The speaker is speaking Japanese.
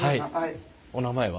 お名前は？